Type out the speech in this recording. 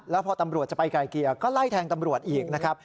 แล้วพอตำรวจจะไปไกลเกลี่ยก็ไล่แทงตำรวจอีกนะครับ